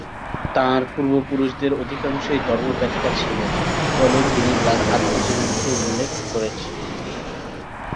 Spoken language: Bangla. তাঁর পূর্বপুরুষদের অধিকাংশই ধর্মবেত্তা ছিলেন বলে তিনি তাঁর আত্মজীবনীতে উল্লেখ করেছেন।